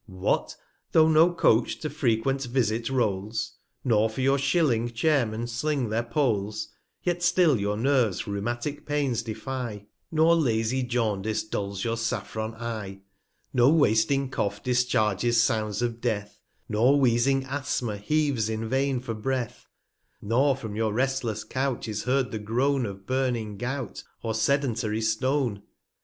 380 What, though no Coach to frequent Visit rolls, Nor for your Shilling Chairmen sling their Poles ; Yet still your Nerves rheumatic Pains defye, TR I r I A 2 9 Nor lazy Jaundice dulls your Saffron Eye ; No wasting Cough discharges Sounds of Death, 385 Nor wheezing Asthma heaves in vain for Breath ; Nor from your restless Couch is heard the Groan Of burning Gout, or sedentary Stone.